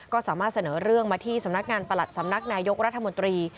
ก็สามารถเสนอเรื่องมาที่สำนักงานประหลัดสำนักนายกรัฐมนตรี